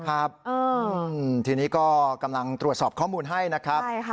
ครับทีนี้ก็กำลังตรวจสอบข้อมูลให้นะครับ